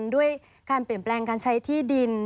ด้วยการเปลี่ยนแปลงการใช้ที่ดิน